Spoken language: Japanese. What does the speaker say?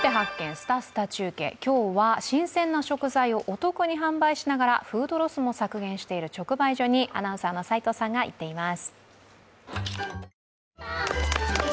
すたすた中継」、今日は、新鮮な食材をお得に販売しながらフードロスも削減している直売所にアナウンサーの齋藤さんが行っています。